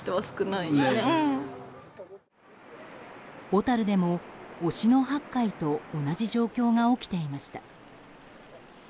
小樽でも、忍野八海と同じ状況が起きていました。